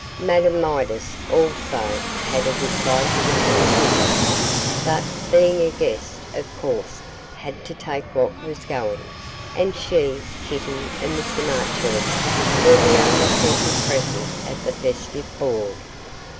Madame Midas also had a dislike to tea dinners, but, being a guest, of course had to take what was going; and she, Kitty, and Mr Marchurst, were the only people present at the festive board.